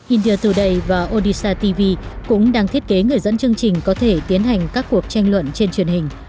india today và odisha tv cũng đang thiết kế người dẫn chương trình có thể tiến hành các cuộc tranh luận trên truyền hình